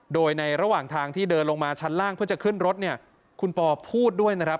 โดยในระหว่างทางที่เดินลงมาชั้นล่างเพื่อจะขึ้นรถเนี่ยคุณปอพูดด้วยนะครับ